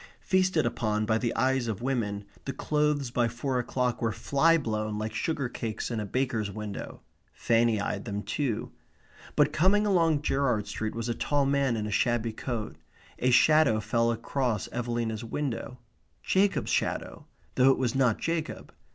Feasted upon by the eyes of women, the clothes by four o'clock were flyblown like sugar cakes in a baker's window. Fanny eyed them too. But coming along Gerrard Street was a tall man in a shabby coat. A shadow fell across Evelina's window Jacob's shadow, though it was not Jacob.